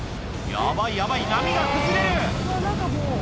やばい、やばい、波が崩れる。